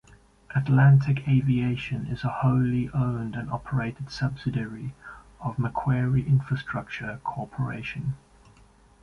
Atlantic Aviation is a wholly owned and operated subsidiary of Macquarie Infrastructure Corporation.